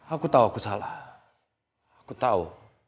aku tau aku salah aku tau